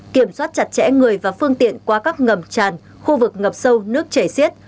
kiểm soát chặt chẽ người và phương tiện qua các ngầm tràn khu vực ngập sâu nước chảy xiết